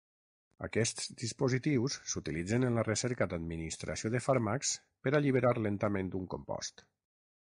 Aquests dispositius s'utilitzen en la recerca d'administració de fàrmacs per alliberar lentament un compost.